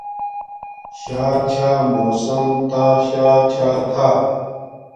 شاہ چھاہ موسم تا شاہ چھاہ تھا